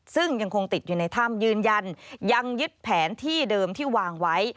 ซึ่งยังคงติดอยู่ในถ้ำยืนยันยังยึดแผนที่เดิมที่วางไว้